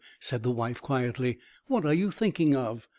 said his wife, quietly, "what are you thinking of?